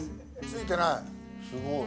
ついてない。